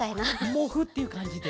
モフッていうかんじで。